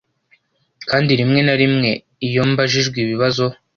kandi rimwe na rimwe, iyo mbajijwe ibibazo